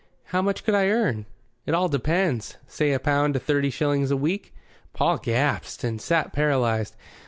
"How much could I earn?" "It all depends. Say a pound to thirty shillings a week." Paul gasped and sat paralyzed.